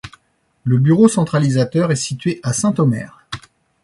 Le bureau centralisateur est situé à Saint-Omer.